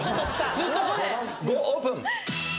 ５オープン。